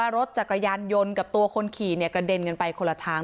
รถจักรยานยนต์กับตัวคนขี่กระเด็นกันไปคนละทาง